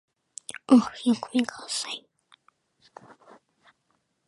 Unanswered incoming calls are automatically routed to voice mail as well.